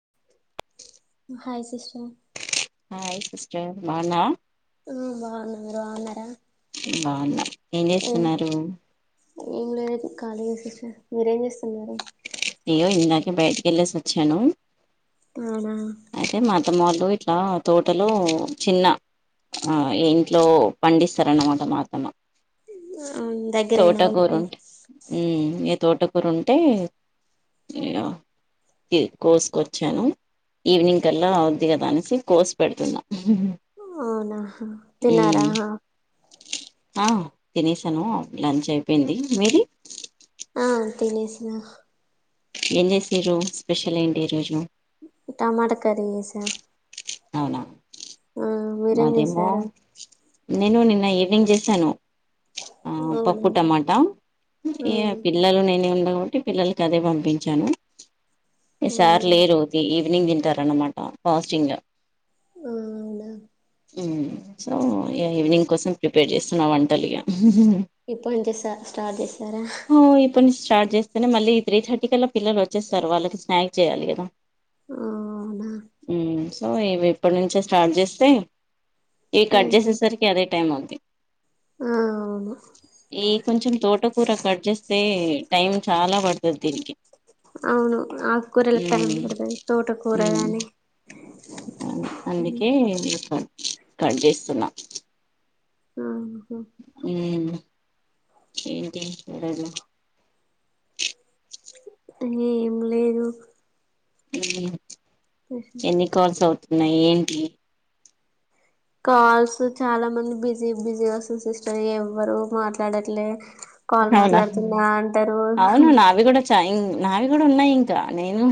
[inaudible] Hi sister hi sister బాగున్నావా ఆ బాగున్నా, మీరు బాగున్నారా? బాగున్నా, ఏం జేస్తున్నారు? ఏం లేదు ఖాళీగా కుర్చున్న, మీరేం జేస్తున్నారు? ఇగో ఇందాకే బయటికి యెళ్ళేసి వచ్చాను. అవునా! టమాటో ఇట్లా తోటలో చిన్న ఆ ఇంట్లో పండిస్ ఇస్తరన్నమాట, నాకన్న దగ్గరేనా తోటకూర మీకు ఉంటే ఉమ్ ఇగ తోట కూరుంటే తీ కోసుకొచ్చాను. ఈవినింగ్ కల్లా అవుద్ది కదా అనేసి కోస్ పెడుతున్నా అవునాహా తిన్నారా? ఉమ్, ఆ తినేసాను, లంచ్ అయిపోయింది. మీది ఆ తినేసిన ఏం జేస్సిరు, స్పెషల్ ఏంటి ఈరోజు టమాట కర్రీ జేసా. అవునా! ఆ మీరేం మాదేమో జేసారు? నేను నిన్న ఈవినింగ్ జేసాను. ఆ పప్పు అవునా టమాటా ఆ ఇగ పిల్లలు నేనే ఉండ గాబట్టి పిల్లలకి అదే పంపించాను. ఏ అవునా సార్ ఆ లేరు. ఈవినింగ్ దింటారు అన్నమాట ఫాస్టింగ్ అవునా! ఉమ్ సో ఇగ ఈవినింగ్ కోసం ప్రిపేర్ జేస్తున్నా, వంటలిగా ఇప్పనుంచే సా స్టార్ట్ జేసారా? ఇప్పనుంచే స్టార్ట్ జేస్తేనే, మళ్ళీ త్రీ థర్టీ కల్లా పిల్లలు వచ్చేస్తారు. వాళ్ళకి స్నాక్ చేయాలి గదా అవునా! సో ఇవి ఇప్పటి నుంచే స్టార్ట్ జేస్తే, ఇవి కట్ ఉహు. జేసేసరికి అదే టైం అవుద్ది. ఆ అవును ఈ కొంచెం తోట కూర కట్ జేస్తే, టైం చాలా బడుతది దీనికి అవును. ఆకూరలకు టైం మ్ పడతది. తోట కూరగాని అవును. అందుకే ఇగ కట్ జేస్తున్నాం. అవును. ఉమ్ ఇంకేం కూరలు ఏం లేదు. ఎన్ని కాల్స్ అవుతున్నాయి ఏంటి? కాల్స్ చాలా మంది బిజీ బిజీగా వస్తుంది సిస్టర్ ఎవరు మాట్లాడట్లే, కాల్ అవునా మాట్లాడుతున్నా అంటరు టైం నావి గూడా ఉన్నాయి ఇంకా, నేను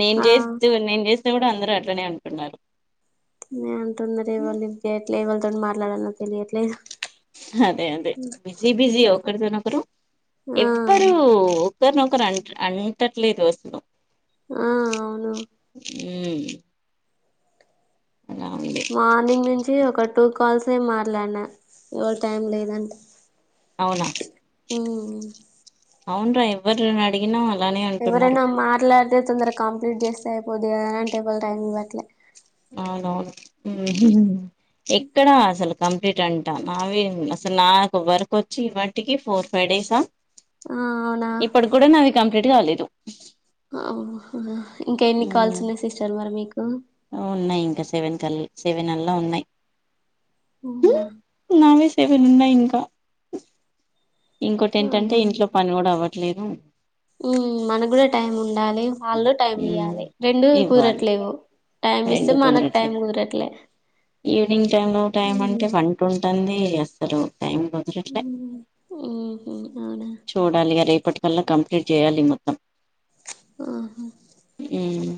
నేను ఆ జేస్తూ నేను జే స్తు గూడా అందరు అట్లనే అంటున్నారు. నే అంటున్నా ఎవరు లిఫ్ట్ చేయట్లే, యెవళ్ళితో మాట్లాడాల్నో తెలియట్లేదు. అదే అదే బిజీ బిజీ ఒకరితోనొకరు ఆ ఎవ్వరు ఒకరినొకరు అంట అంటట్లేదు అసలు ఆ అవును. ఉమ్ అలా ఉంది మార్నింగ్ నుంచి ఒక టూ కాల్సే మాట్లాడిన ఎవరు టైం లేదంటే అవునా! ఉమ్ అవును రా ఎవ్వర్ని అడిగిన ఎవరైనా మాట్లాడితే తొందరగా కంప్లీట్ జేస్తే, అయిపోద్ది గదా అంటే ఎవ్వరు టైమివ్వట్లే అవునవును ఉమ్ ఎక్కడా అసలు కంప్లీట్ అంటా నావి అసలు నాకు వర్క్ వచ్చి ఇప్పటికి ఫోర్ ఫైవ్ డేసా ఆ అవునా ఇప్పడి గూడా నాది కంప్లీట్ కాలేదు. అ ఇంకా ఎన్ని ఉమ్ కాల్స్ ఉన్నాయి సిస్టర్ మరి మీకు ఉన్నాయి ఇంకా సెవెన్ కల్ళ సెవెన్ అల్లా ఉన్నాయి ఉవునా వలు ఉన్నాయి ఇంకా ఇంకోొటి ఏంటంటే ఇంట్లో పని కూడా అవ్వట్లేదు ఉ మన కూడా టైం ఉండాలి వాళ్ళు టైం ఉమ్ ఇయ్యాలి రెండు ఇవ్వాలి కూరట్లేవు రెండు కుదరట్లేదు ఈవినింగ్ టై లో టైం అంటే వంటంది అంది అసలు టైం కుదరట్లేదు ఉహు అవునా చూడాలిగా రేపు రెపటికల్లా కంప్లీట్ చేయాలి మొత్తం ఆహా ఉమ్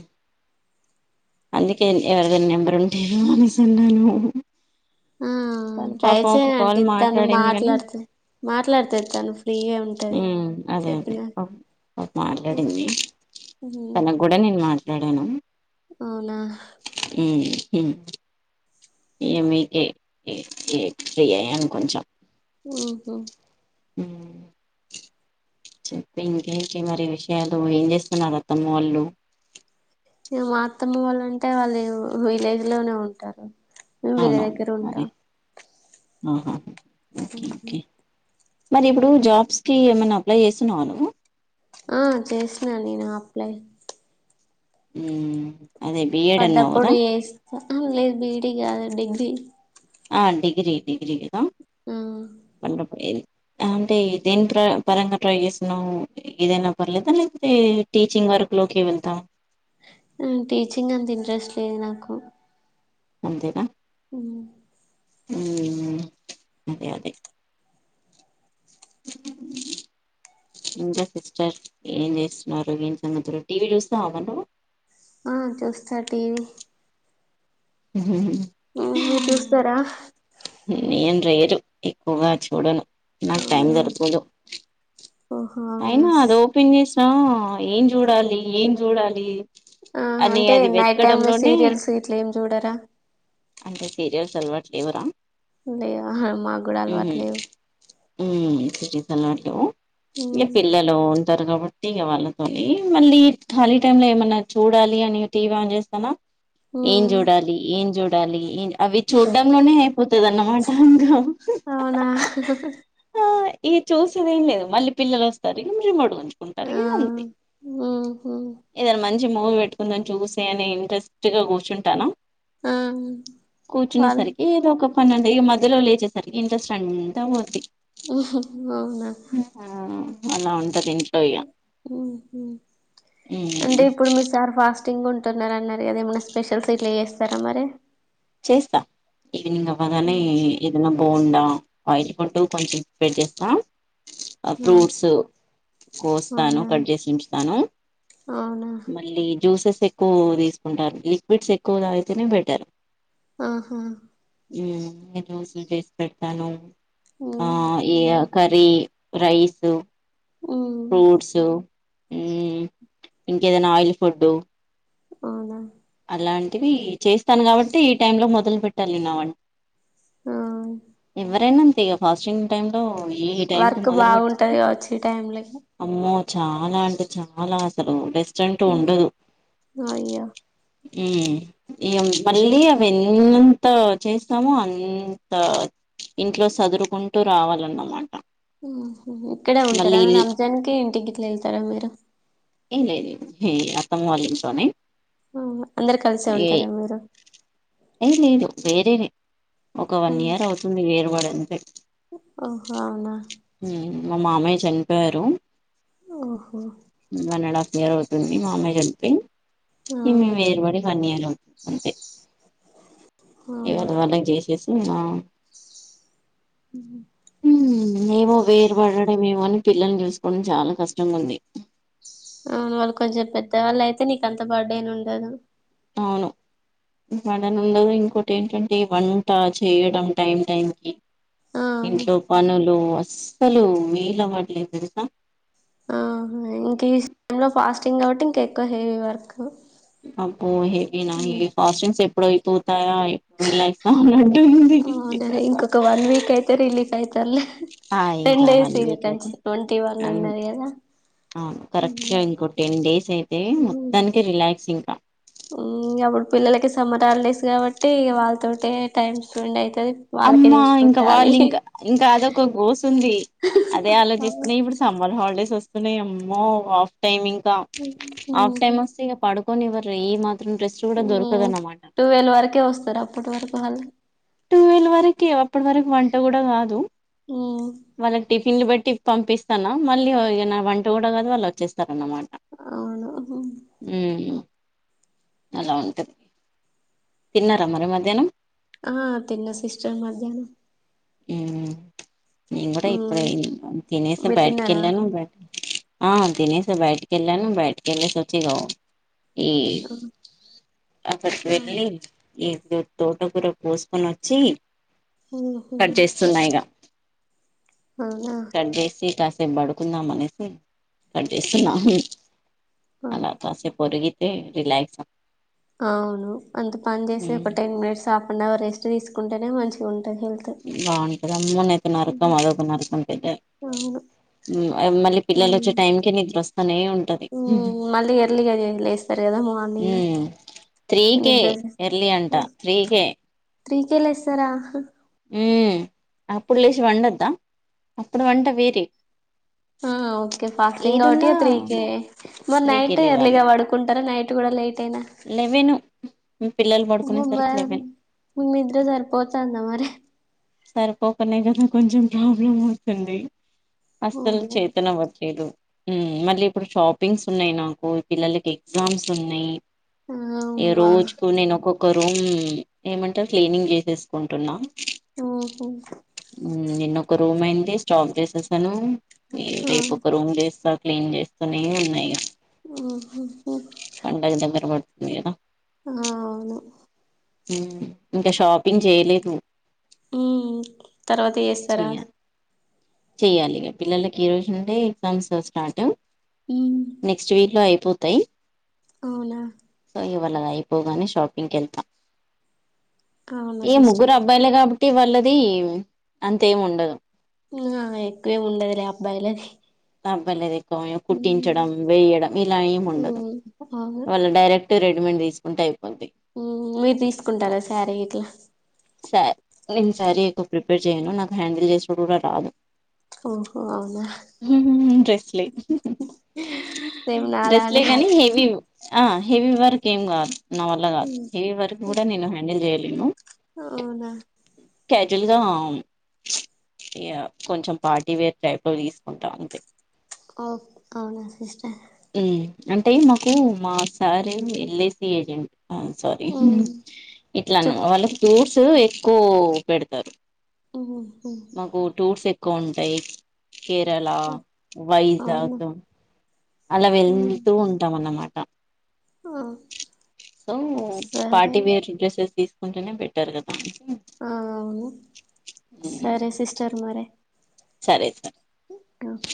అందుకే ఎవరి దైనా నెంబర్ ఉంటేను అనేసి అన్నాను ఆ తను ట్రై పాపం ఒక కాల్ చేయండి తను మాట్లాడింది కాని మాట్లాడితే మాట్లాడుతాది తను ఫ్రీగా ఉంటది ఉమ్ అదే చెప్పిన అదే మాట్లాడింది ఉమ్, తనకు కూడా నేను మాట్లాడాను అవునా హమ్ హమ్ ఏమీకె ఏ ఫ్రీ అయ్యాను కొంచెం హమ్ హా చెప్ప ఇంకేంటి మరి విషయాలు ఏం చేస్తున్నారు అత్తము వాళ్ళు మా అత్తమ్మ వాళ్ళంటే వాళ్ళు విలేజ్ లోనే ఉంటారు మేం వీళ్ళ దగ్గర ఉంటాం ఆ హా అ మరి ఇప్పుడు జాబ్స్ కి ఏమైనా అప్లై చేస్తున్నావా నువ్వు ఆ చేసినా నేను అప్లై ఉమ్ అదే బిఎడ్ అన్నావు కదా పడ్డప్పుడు వస్తా లేదు బీయిడీ కాదు డిగ్రీ ఆ డిగ్రీ డిగ్రీ కదా ఆమ్ అంటే దేని పరంగా ట్రై చేస్తున్నావు ఏదైనా పర్లేదా లేకపోతే టీచింగ్ వర్క్ లోకి వెళ్తాం టీచింగ్ అంత ఇంట్రెస్ట్ లేదు నాకు అంతే గా ఆమ్ హమ్ అదే అదే [inaudible] ఇంకా సిస్టర్ ఏం చేస్తున్నారు ఏం సంగతులు టీవీ చూస్తావా నువ్వు ఆ చూస్తా టీవీ ంట ఏ మీరు చూస్తారా [unintelligible] ఎక్కువగా చూడను నాకు టైం అవునా దొరుకదు ఓహో అవునా అయినా అది ఓపెన్ చేసినా ఏం చూడాలి ఏం చూడాలి ఆ అని అంటే అది నైట్ టైమ్ లో వెతకడంలోనే సీరియల్స్ ఇట్లా ఏం చూడరా అంత సీరియస్ సల్వాట్వరా [unintelligible] లే అ మాకు కూడా అలువాట్లేవు హమ్ సలవాట్లు [unintelligible] ఈ పిల్లలు ఉంటారు కాబట్టి వాళ్ళతో మళ్ళీ ఖాళీ టై లో ఏమైన్నా చూడాలి అని టీవీ ఆన్ చేస్తామ ఏన్ చూడాలి ఏన్ చూడాలి ఏన్ అవి చూడ్డంలోనే అయిపోతా అన్నమాట ఇంకా అవునా ఆ ఇక చూసేది ఏం లేదు మళ్ళీ పిల్లలు వస్తారు ఇమడు చూసుకుంటారు ఆ [unintelligible] ఉహు ఏదనా మంచి మంచి మూవీ పెట్టుకుందాం చూసే అని ఇంట్రెస్ట్గా కూర్చుంటాను. ఆ కూర్చునే వాళ్ళు సరికి ఏదోఓక ప వన్నంటే ఇగ మధ్యలో లేచేసరికి ఇంట్రెస్ట్ అంతా పోద్ది ఉహు అవునా మ్ అలా ఉంటది ఇంట్లో ఇగ హు హు అంటే ఇప్పుడు మీ సార్ ఫాస్ట్ టింగ్ ఉంటున్నరు అన్నారు కదా ఏమన్నా స్పెషల్స్ ఇట్లా ఎస్తారా మరే చేస్తా ఈవినింగ్ అవ్వగానే ఏదన్నా బోండా ఆయిల్ ఫుడ్ కొంచెం పెట్టేస్తా హ్మ్. ఫ్రూట్స్ కోస్తాను అవునా కట్ చేసి ఉంచుతాను అవునా మళ్ళీ జ్యూసెస్ ఎక్కువ తీసుకుంటారు లిక్విడ్స్ ఎక్కువ తాగితేనే బెటర్ ఆహా మ్ నేను జ్యూసులు చేసి పెడతాను ఆ హ్మ్. ఈ అ కర్రీ రైసు హ్మ్. ఫ్రూట్స్ మ్ ఇంకేదైనా ఆయిల్ ఫుడ్ అవునా అలాంటివి చేస్తాను. కాబట్టి ఈ టైం లో మొదలు పెట్టాలి నావన్ ఆ ఎవరైనా అంతే ఫాస్టింగ్ టైం లో ఏ టైమ్కి వర్క్ మొదలు పెడుతుతే బాగుంటది కావచ్చు ఈ టైమ్ లో అమ్మో చాలా అంటే చాలా అసలు రెస్ట్ అంటూ ఉండదు. అయ్యో మ్ ఎమ్ మళ్ళీ అవి ఎంత చేస్తామో అంతా ఇంట్లో సదురుకుంటూ రావాలన్నమాట ఓహో ఇక్కడే ఉంటారా. మళ్ళీ ఇల్లు రంజాన్ కి ఇంటిగిట్ల వెళ్తారా మీరు ఏ లే లేదు హే అత్తమ్మ వల్ల ఇంట్లోనే హా అందరు కలిసే ఏ ఉంటారా మీరు వేరే రే ఒక వన్ హ్మ్. ఇయర్ అవుతుంది. వేరుబడి అంతే ఓహో అవునా ఉమ్, మా మామయ్య చనిపోయారు. ఓహో వన్ అండ్ హాఫ్ ఇయర్ అవుతుంది. మామయ్య చనిపోయి ఆ ఈ మేము ఏర్ వడి వన్ ఇయర్ అవుతుంది అంతే అవునా ఇవరీది వాళ్లకు జేసేసి ఆ హుమ్ హుమ్ మేము వేరు పడడం ఏమో అని పిల్లల్ని చూసుకోవడం చాలా కష్టంగా ఉంది. ఆ వాళ్ళు కొంచెం పెద్ద వాళ్ళయితే నీకు అంత బర్డెన్ ఉండదు. అవును బర్డెన్ ఉండదు. ఇంకోటి ఏంటంటే వంట చేయడం టైం టైం కి ఆ ఇంట్లో పనులు అసల్ అస్సలు వీలు అవట్లేదు తెలుసా! ఆ ఇంక ఈ లో ఫాస్టింగ్ కావట్టి ఇంక ఎక్కువ హెవీ వర్క్ అబ్బో హెవీనా ఈ ఫాస్టింగ్స్ ఎప్పుడయిపో తాయ ఎప్పుడు రిలాక్స్ అన్నట్టుంది. అవునా ఇంకొక వన్ వీక్ అయితే రిలీఫ్ అయితారులే ఆ టెన్ ఇంకా డేస్ వన్ ఇగ వీక్ అయితే కంచి ట్వంటీ వన్ అన్ అన్నారు కదా అవును కరెక్ట్ గా ఇంకో టెన్ డేస్ అయితే మొత్తానికి రిలాక్స్ ఇంకా మ్ అప్పుడు పిల్లలకి సమ్మర్ హాలిడేస్ కాబట్టి వాళ్ళతోటే టైమ్ స్పెండ్ అయితు అమ్మా ఇంకా వాళ్ళు ఇంకా ఇంకా అదొక గోస ఉంది. అదే ఆలోచిస్తున్ ఇప్పుడు సమ్మర్ హాలిడేస్ వస్తే అమ్మో ఆఫ్ టైమ్ ఇంకా ఆఫ్ టైమ్ ఊహు వస్తే ఇగ పడుకొనివ్వరు ఈ మా మ్ టూవెల్ వరకే వస్తారు అప్పటి వరకు వాల్ టూవెల్ వరకే అప్పటి వరకు వంట కూడా గాదు వాళ్ళకి టిప్ టీలు పెట్టి పంపిస్తానా మళ్ళీ ఇగ నా వంట కూడా కాదు వాళ్ళు వచ్చేస్తారు. అన్నమాట అవును మ్ అలా ఉంటుంది తిన్నారా మరి మధ్యాహ్నం ఆ తిన్న సిస్టర్ మధ్యాహ్నం నేను కూడా ఇప్పుడే తినేసి మీరు బయటకి తిన్నారా వెళ్ళాను బయట ఆ తినేసే బైటకి వెళ్ళను బైటకి వెళ్ళ సొచిగా ఈ అ వెళ్ళలి ఇ ద తోటకుర కోసుకొని వచ్చి కట్ చేస్తున్నా ఇక అవునా కట్ చేసి కాసేపు పడుకుందాం అనేసి కట్ చేస్తునా అలా కాసేపు పరిగితే రిలాక్స్ అ అవును అంత పని చేసి ఒక ten minutes half an hour rest తీసుకుంటేనే మంచిగా ఉంట బాగుంటదమ్మన్నైప్పు నరక అదప్పు నరకంటద అవును [inaudible] మళ్ళ పిల్లలుచ్చ టైమ్కి దస్త మళ్ళీ ఎర్లీగాని లేస్తారు కదా మార్నింగ్ త్రీ కే నిద్ర ఎర్లి అంట త్రీ కే త్రీకెలస్తరా ఉ అప్పుడు లేచి వండద్దా అప్పుడు వంట వీరే ఆ ఓకే ఫాస్టింగ్ కాబట్టి త్రీ కే మరి త్రీకే నైట్ ఎర్లీగా పడుకుంట తరలైట్ కూడాలైట్ లేవెను మేడమ్ నిద్ర సరిపోతుందా మరి సరిపోకునే కదా కొంచెం ప్రాబ్లం అవుతుంది అస్సలు అవును చేతన అవ్వట్లేదు మళ్ళీ ఇప్పుడు షాపింగ్స్ ఉన్నాయి నాకు పిల్లలకి ఎగ్జామ్స్ ఉన్నాయి ఏ అమ్మా రోజకు నకో ఒక రూమ్ ఏమంటారు క్లీనింగ్ చేసేసుకుంటున్నా ఓహో నిన్నొ ఒక రూమ్ అయింది స్టాక్ చేసేసాను ఆ రేపు ఒక రూమ్ చేస్తా క్లీన్ చేస్తూనే ఉన్నాయిగా ఆ పండగ దగ్గరబతుందిద ఆ అవును ఇంకా షాపింగ్ చేయలేదు ఉ తర్వాత చేస్తారా చెయ్యాలి చెయ్యాలి పిల్లలకి ఈ రోజుండే ఎగ్జామ్స్ స్టార్ట్ ఉమ్ నెక్స్ట్ వీక్ లో అయిపో పోతయి అవునా ఇవాళగా అయిపోగానే షాపింగ్కి వెళ్తాం అవునా ఏ సిస్టర్ ముగ్గురు అబ్బాయిలుగా ఇటి వల్లది అంతేం ఉండదు ఆ ఎక్కువే ఉండదులే అబ్బాయిలది తబ్బలేది ఎక్కువ ఉమ్ కుట్టించడం వేయడం ఇలా ఏమి ఉండదు ఉమ్ అవును వాళ డైరెక్ట్ రె తీసుకుంటాయి మీరు తీసుకుంటారా సారీ ఇట్లా స నేను సారి ఎక్కువ ప్రిపేర్ చేయను నాకు హ్యాండిల్ చేసడు కూడా రాదు ఓహో అవునా డ్రెస్లే సేమ్ డ్రెస్లే నాలానే గానీ హెవీ ఆ హెవీ వర్క్ ఏం కాదు నా వల్ల కాదు ఉమ్, హెవీ వర్క్ కూడా నేను హ్యాండిల్ చేయలేను అవునా కజువల్గావును ఇ కొంచెం పార్టీ వేర్ టైప్ లో తీసుకుంటా అంతే ఓ అవునా సిస్టర్ అంటే మాకు మా sir L I C agent ఆ సారీ ఉమ్, ఇట్లా చెప్ వాళ్ళ ఫ్రూట్స్ ఎక్కువ పెడతరు. ఉమ్, ఉమ్, మాకు టూర్స్ ఎక్కువ ఉంటయి. కేరళ ఉమ్, అవునా వైజాగ్ అలా ఉమ్, వెళ్తూ ఉంటాం అన్నమాట్ ఆ, సో సరే పార్టీ వేర్ డ్రెస్సెస్ తీసు కొంటెనే బెట్టర్ కదా ఆ అవును హ్మ్. సరే సిస్టర్ మరె సరే సర్ డౌట్